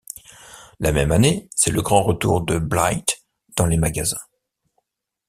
La même année, c’est le grand retour de Blythe dans les magasins.